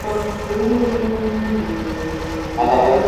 তিনি ইসলাম নিয়ে পড়াশোনা করেন।